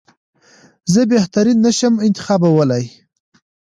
زه بهترین نه شم انتخابولای.